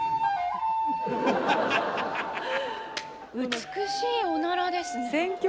美しいおならですね。